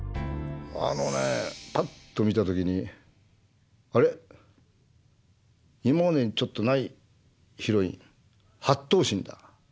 あのねパッと見た時に「あれ？今までにちょっとないヒロイン８等身だ。